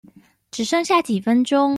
只剩下幾分鐘